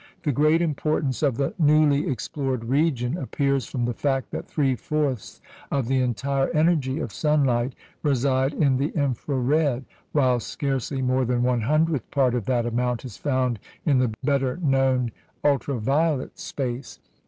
The great importance of the newly explored region appears from the fact that three fourths of the entire energy of sunlight reside in the infra red, while scarcely more than one hundredth part of that amount is found in the better known ultra violet space.